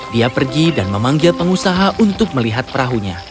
dia pergi dan memanggil pengusaha untuk melihat perahunya